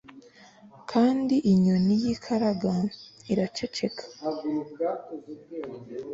kandi inyoni yikaraga iraceceka